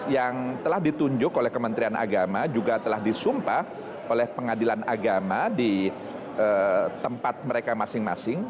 yang telah ditunjuk oleh kementerian agama juga telah disumpah oleh pengadilan agama di tempat mereka masing masing